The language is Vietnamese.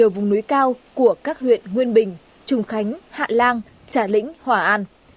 đây là vùng núi cao của các huyện nguyên bình trùng khánh hạ lan trà lĩnh hòa an